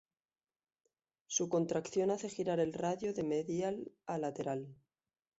Su contracción hace girar al radio de medial a lateral.